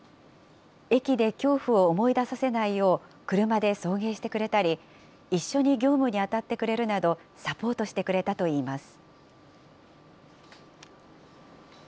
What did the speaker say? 駅で恐怖を思い出させないよう車で送迎してくれたり、一緒に業務に当たってくれるなど、サポートしてくれたといいます。